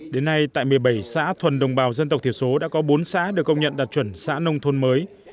đến nay tại một mươi bảy xã thuần đồng bào dân tộc thiểu số đã có bốn xã được công nhận đạt chuẩn xã nông thôn mới